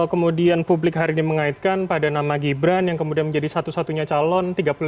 kalau kemudian publik hari ini mengaitkan pada nama gibran yang kemudian menjadi satu satunya calon tiga puluh lima tahun begitu